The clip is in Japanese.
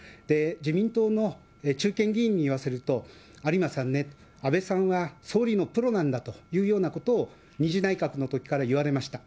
自民党の中堅議員に言わせると、有馬さんね、安倍さんは総理のプロなんだというようなことを２次内閣のときから言われました。